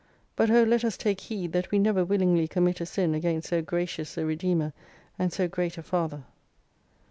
But oh let us take heed that wc never willingly commit a sin against so gracious a Redeemer, and so great a Father.